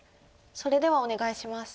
それではお願いします。